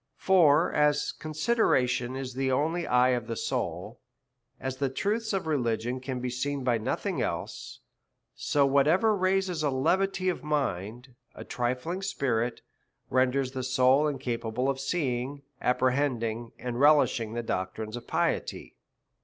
73 For as consideration is the only eye of the soul, as the truths of religion can be seen by nothing else ; so whatever raises a levity of mind, a trifling spirit, ren ders the soul incapable of seeing, apprehending, and relishing the doctrines of piety.